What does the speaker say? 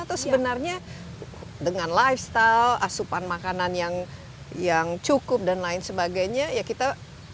atau sebenarnya dengan lifestyle asupan makanan yang cukup dan lain sebagainya ya kita